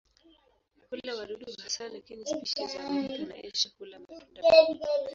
Hula wadudu hasa lakini spishi za Amerika na Asia hula matunda pia.